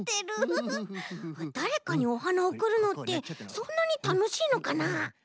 だれかにおはなをおくるのってそんなにたのしいのかな？